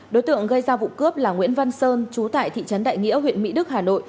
đối tượng gây ra vụ cướp là nguyễn văn sơn chú tại thị trấn đại nghĩa huyện mỹ đức hà nội